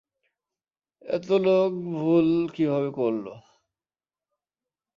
এতো লোক ভুল কিভাবে করলো?